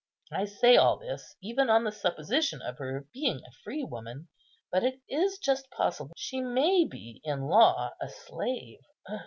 I say all this, even on the supposition of her being a freewoman; but it is just possible she may be in law a slave.